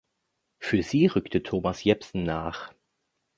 Für sie rückte Thomas Jepsen nach.